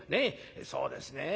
そうですね